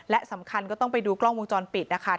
และสำคัญก็ต้องไปดูกล้องวงจรปิดนะคะ